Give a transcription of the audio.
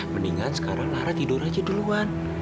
mendingan sekarang ara tidur aja duluan